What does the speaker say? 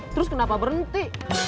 terus kenapa berhenti